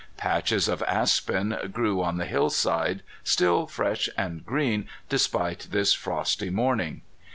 Patches of aspen grew on the hillside, still fresh and green despite this frosty morning.